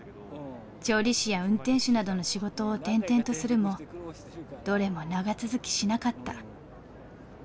調理師や運転手などの仕事を転々とするもどれも長続きしなかった。